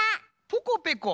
ポコペコ。